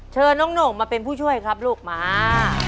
เชิญน้องโหน่งมาเป็นผู้ช่วยครับลูกมา